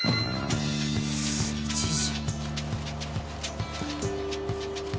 １時。